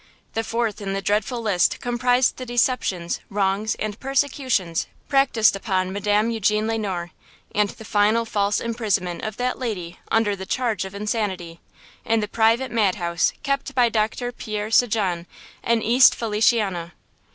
The fourth in the dreadful list comprised the deceptions, wrongs and persecutions practiced upon Madame Eugene Le Noir, and the final false imprisonment of that lady under the charge of insanity, in the private madhouse kept by Doctor Pierre St. Jean, in East Feliciana.